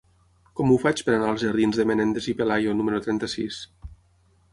Com ho faig per anar als jardins de Menéndez y Pelayo número trenta-sis?